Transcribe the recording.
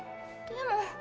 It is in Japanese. でも。